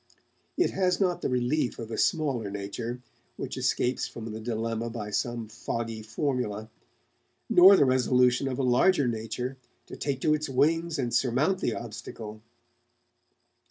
It has not the relief of a smaller nature, which escapes from the dilemma by some foggy formula; nor the resolution of a larger nature to take to its wings and surmount the obstacle.